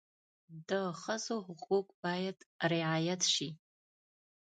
د ښځو حقوق باید رعایت شي.